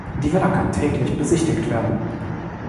Die Villa kann täglich besichtigt werden.